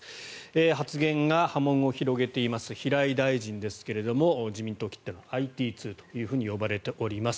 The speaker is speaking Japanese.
発言が波紋を広げています平井大臣ですが自民党きってのＩＴ通と呼ばれています。